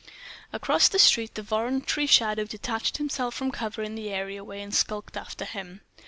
Across the street the voluntary shadow detached itself from cover in the areaway, and skulked after him.